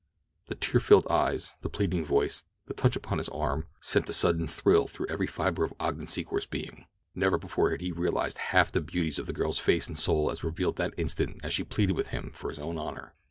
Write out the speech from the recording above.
The tear filled eyes, the pleading voice, the touch upon his arm, sent a sudden thrill through every fiber of Ogden Secor's being. Never before had he realized half the beauties of the girl's face and soul as revealed that instant as she pleaded with him for his own honor.